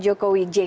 kalau kita lihat